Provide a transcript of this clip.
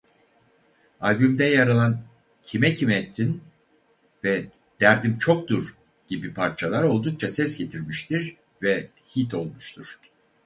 Albümde yer alan "Kime Kin Ettin" ve "Derdim Çoktur" gibi parçalar oldukça ses getirmiştir ve hit olmuştur.